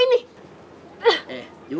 terima kasih pak joko